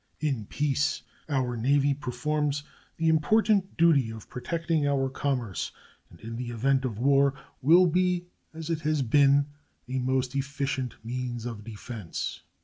In peace our Navy performs the important duty of protecting our commerce, and in the event of war will be, as it has been, a most efficient means of defense.